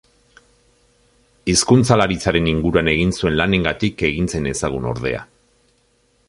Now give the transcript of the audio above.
Hizkuntzalaritzaren inguruan egin zuen lanengatik egin zen ezagun, ordea.